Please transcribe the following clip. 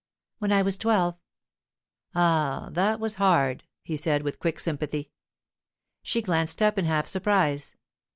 'When I was twelve.' 'Ah, that was hard,' he said, with quick sympathy. She glanced up in half surprise.